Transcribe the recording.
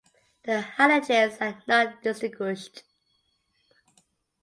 The halogens are not distinguished.